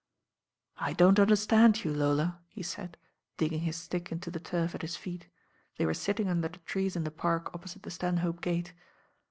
"I don't understand you, Lola," he said, digging his stick into the turf at his feet; they were sitting under the tree^ in the Park opposite the Stanhope Gate.